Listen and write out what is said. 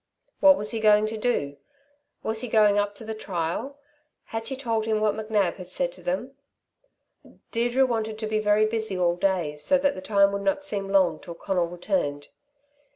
What was he going to do? Was he going up to the trial? Had she told him what McNab had said to them? Deirdre wanted to be very busy all day so that the time would not seem long till Conal returned.